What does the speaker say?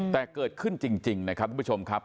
แต่เกิดขึ้นจริงนะครับทุกผู้ชมครับ